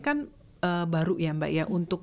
kan baru ya mbak ya untuk